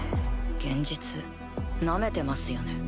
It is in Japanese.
現実なめてますよね。